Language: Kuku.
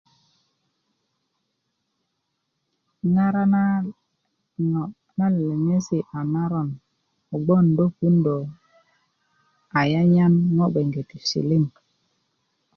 ŋara na ŋo na leleŋesi a naron kogwon do puundo ayanyan ŋo bgenge ti silim